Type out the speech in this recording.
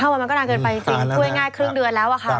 วันมันก็นานเกินไปจริงช่วยง่ายครึ่งเดือนแล้วอะค่ะ